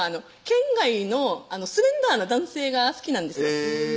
県外のスレンダーな男性が好きなんですよ